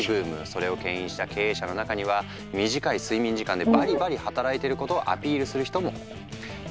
それをけん引した経営者の中には短い睡眠時間でバリバリ働いていることをアピールする人も。